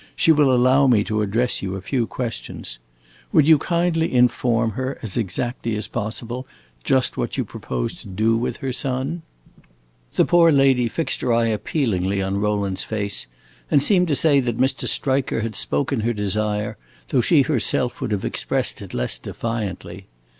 She will allow me to address you a few questions. Would you kindly inform her, as exactly as possible, just what you propose to do with her son?" The poor lady fixed her eyes appealingly on Rowland's face and seemed to say that Mr. Striker had spoken her desire, though she herself would have expressed it less defiantly.